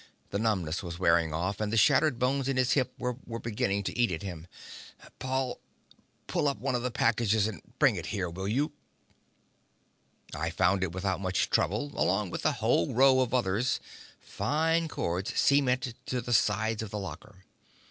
The numbness was wearing off, and the shattered bones in his hip were beginning to eat at him. "Paul, pull up one of the packages and bring it here, will you?" I found it without much trouble along with a whole row of others, fine cords cemented to the side of the locker.